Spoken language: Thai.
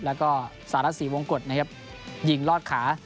แล้วก็สารศรีวงกฎนะครับยิงลอดขา